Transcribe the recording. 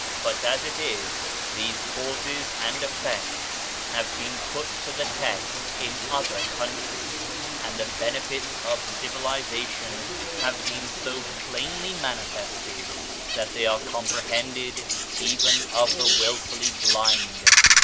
But as it is these causes and effects have been put to the test in other countries; and the benefits of civilization have been so plainly manifested that they are comprehended, even of the wilfully blind.